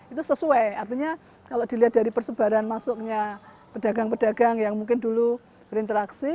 itu sesuai artinya kalau dilihat dari persebaran masuknya pedagang pedagang yang mungkin dulu berinteraksi